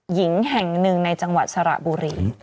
หญิงแห่ง๑ในจังหวะสระบุหรี